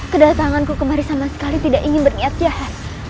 kedatanganku kemari sama sekali tidak ingin berniat jahat